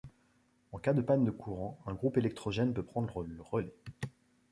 En cas de panne de courant, un groupe électrogène peut prendre le relais.